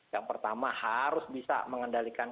yang pertama harus bisa mengendalikan